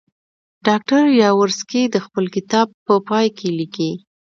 ډاکټر یاورسکي د خپل کتاب په پای کې لیکي.